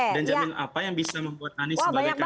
dan jamin apa yang bisa membuat anies sebagai kinerja terbaik